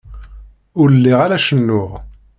Ur lliɣ ara cennuɣ.